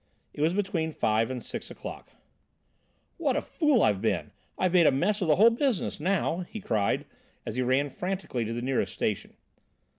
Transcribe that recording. It was between five and six o'clock. "What a fool I've been! I've made a mess of the whole business now," he cried as he ran frantically to the nearest station.